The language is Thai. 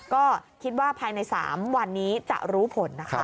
ก็คิดว่าภายใน๓วันนี้จะรู้ผลนะคะ